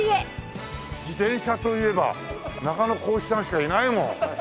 自転車といえば中野浩一さんしかいないもん。